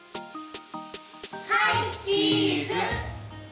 はいチーズ！